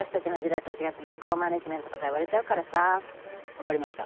分かりました。